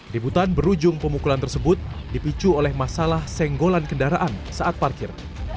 debutan berujung pemukulan tersebut dipicu oleh masalah senggolan kendaraan saat parkir